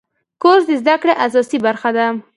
کورس د زده کړې اساسي برخه ده.